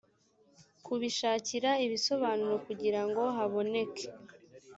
kubishakira ibisobanuro kugirango haboneke